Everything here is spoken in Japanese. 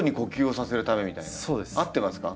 合ってますか？